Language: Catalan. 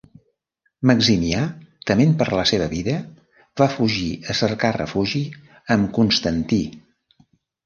Maximià, tement per la seva vida, va fugir a cercar refugi amb Constantí.